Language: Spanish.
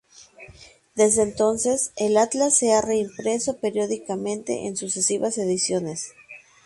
Desde entonces, el Atlas se ha reimpreso periódicamente en sucesivas ediciones.